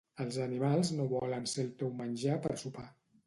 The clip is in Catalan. Els animals no volen ser el teu menjar per sopar